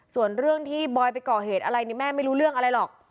ส่วนเรื่องที่บอยไปก่อเหตุอะไรเนี่ยแม่ไม่รู้เรื่องอะไรหรอก